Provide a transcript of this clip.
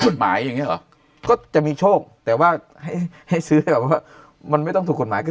กฎหมายก็จะมีโชคแต่ว่าให้ให้มันไม่ต้องถูกแต่ดิน